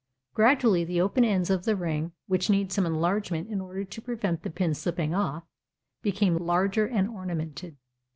Gradually the open ends of the ring, which need some enlargement in order to prevent the pin slipping off, became larger and ornamented.